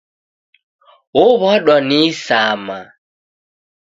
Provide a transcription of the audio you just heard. Ow'adwa ni isama